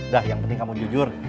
dah yang penting kamu jujur